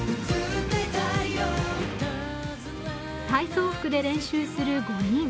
体操服で練習する５人。